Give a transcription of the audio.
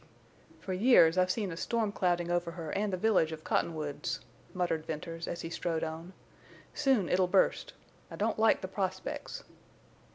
"For years I've seen a storm clouding over her and the village of Cottonwoods," muttered Venters, as he strode on. "Soon it'll burst. I don't like the prospects."